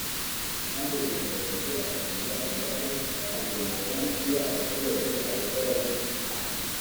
kandi buri mu buyobozi akagira uruhare mu kugenzura niba abaturage ayobora bafite isuku